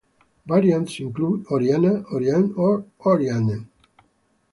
Variants include "Orianna", "Oriane" or "Orianne".